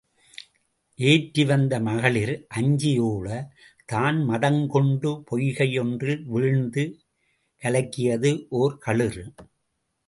ஏற்றிவந்த மகளிர் அஞ்சி ஒட, தான் மதங்கொண்டு பொய்கை யொன்றில் வீழ்ந்து கலக்கியது ஒர் களிறு.